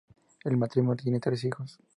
El matrimonio tiene tres hijos.